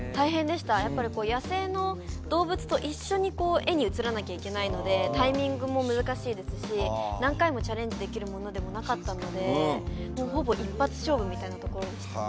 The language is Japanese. やっぱりこう野生の動物と一緒に画に映らなきゃいけないのでタイミングも難しいですし何回もチャレンジできるものでもなかったのでもうほぼ一発勝負みたいなところでしたね